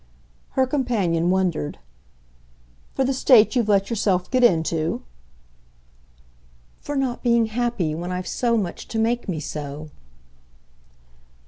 Her companion wondered. "For the state you've let yourself get into?" "For not being happy when I've so much to make me so."